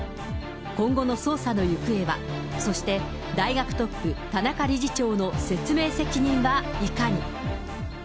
今後の捜査の行方は、そして大学トップ、田中理事長の説明責任はいかに。